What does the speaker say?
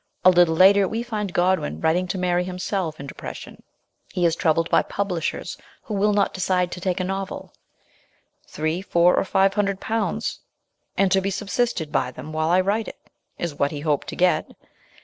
A little later we find Godwin writing to Mary, himself WIDOWHOOD. 181 in depression. He is troubled by publishers who will not decide to take a novel. " Three, four, or five hundred pounds, and to be subsisted by them while I write it," is what he hoped to get.